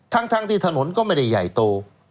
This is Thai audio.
ทั้งที่ถนนก็ไม่ได้ใหญ่โต